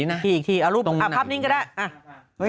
ไหนนะอีกทีอ้าวรูปนะคะพรับนิ่งก็ได้